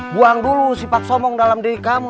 buang dulu sifat somong dalam diri kamu